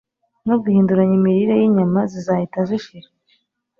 no guhinduranya imirire yinyama zizahita zishira